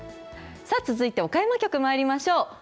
続いて岡山局まいりましょう。